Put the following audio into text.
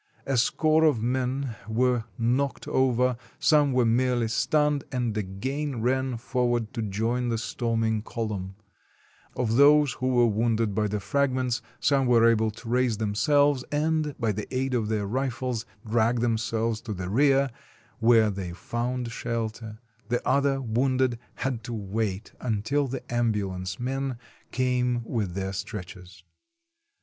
A score of men were knocked over, some were merely stunned, and again ran forward to join the storming column ; of those who were wounded by the fragments, some were able to raise themselves, and, by the aid of their rifles, drag themselves to the rear, where they found shelter; the other wounded had to wait until the ambulance men came with their stretchers.